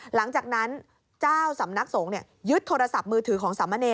หลังจากนั้นเจ้าสำนักสงฆ์ยึดโทรศัพท์มือถือของสามเณร